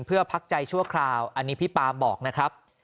เพื่อพักใจชั่วคราวอันนี้พี่ปาบอกนะครับ